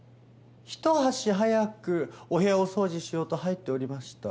一足早くお部屋をお掃除しようと入っておりました。